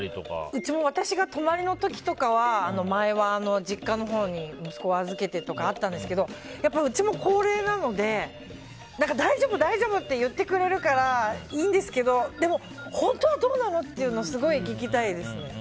うちも私が泊まりの時とかは前は実家のほうに息子を預けてとかあったんですけどやっぱり、うちも高齢なので大丈夫、大丈夫って言ってくれるからいいんですけどでも、本当はどうなのってすごい聞きたいですね。